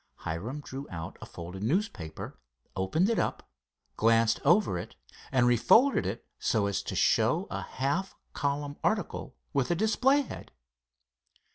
Hiram drew out a folded newspaper, opened it up, glanced over it, and refolded it so as to show a half column article with a display head.